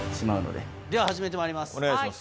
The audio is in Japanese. では始めてまいります。